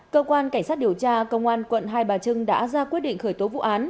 cơ quan cảnh sát điều tra công an quận hai bà trưng đã ra quyết định khởi tố vụ án